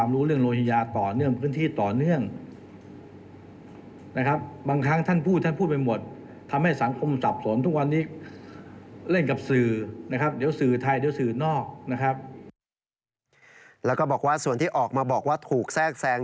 แล้วก็บอกว่าส่วนที่ออกมาบอกว่าถูกแทรกแทรง